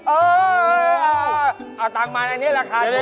เออเอาตังค์มาในนี้แหละค่ะ